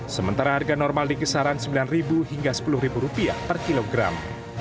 sementara harga normal di kisaran rp sembilan hingga rp sepuluh per kilogram